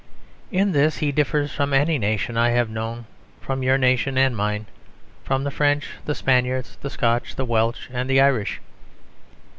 In this he differs from any nation I have known, from your nation and mine, from the French, the Spanish, the Scotch, the Welsh and the Irish.